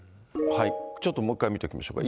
ちょっともう一回見ておきましょうか。